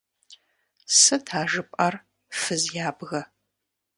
Сыт а жыпӀэр, фыз ябгэ?!